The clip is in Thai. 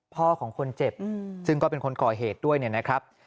ของคนเจ็บซึ่งก็เป็นคนก่อเหตุด้วยเนี่ยนะครับ